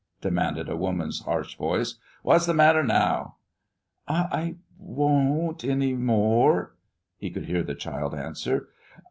demanded a woman's harsh voice. "What's the matter now?" "I won't any more," he could hear the child answer.